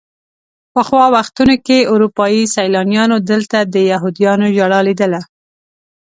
پخوا وختونو کې اروپایي سیلانیانو دلته د یهودیانو ژړا لیدله.